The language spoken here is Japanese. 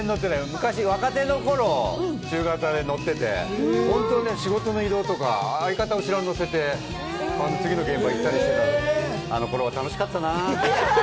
昔、若手の頃、中型で乗ってて、仕事の移動とか相方を後ろに乗せて、次の現場に行ったりして、あの頃は楽しかったな。